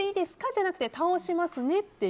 じゃなくて倒しますねって。